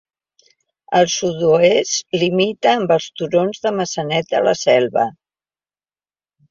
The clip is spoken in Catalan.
Al sud-oest limita amb els turons de Maçanet de la Selva.